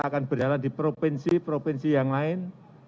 akan berjalan di provinsi provinsi yang lain